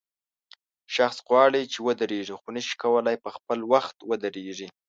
شخص غواړي چې ودرېږي خو نشي کولای په خپل وخت ودرېږي.